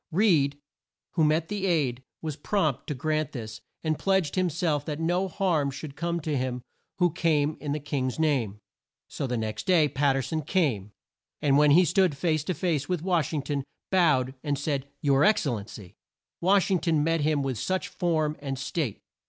Reed, who met the aide was prompt to grant this and pledged him self that no harm should come to him who came in the King's name. So the next day Pat ter son came, and when he stood face to face with Wash ing ton, bowed and said "Your Ex cel len cy." Wash ing ton met him with much form and state.